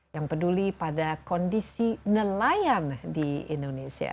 yang peduli pada kondisi nelayan di indonesia